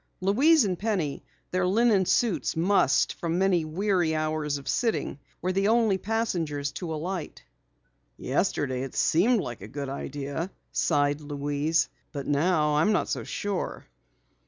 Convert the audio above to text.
Louise and Penny, their linen suits mussed from many weary hours of sitting, were the only passengers to alight. "Yesterday it seemed like a good idea," sighed Louise. "But now, I'm not so sure."